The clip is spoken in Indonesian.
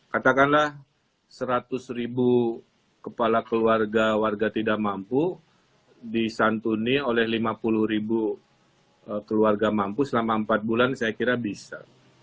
katakanlah seratus ribu kepala keluarga warga tidak mampu disantuni oleh lima puluh ribu keluarga mampu selama empat bulan saya kira bisa